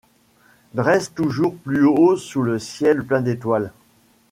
Dresse toujours plus haut sous le ciel plein d'étoiles